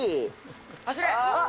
走れ。